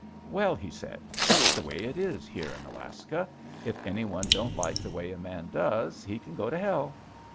"Well," he said, "that's the way it is here in Alaska; if anyone don't like the way a man does he can go to Hell!"